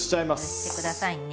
潰して下さいね。